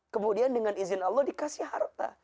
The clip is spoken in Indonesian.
kemudian dengan izin allah dikasih harta